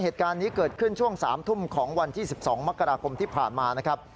เหตุการณ์นี้เกิดขึ้นช่วง๓ทุ่มของวันที่๑๒มกราคมที่ผ่านมานะครับ